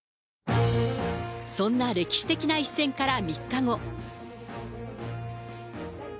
そんな歴史的な一戦から３日後。